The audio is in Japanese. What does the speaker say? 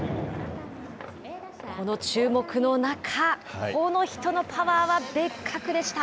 この注目の中、この人のパワーは別格でした。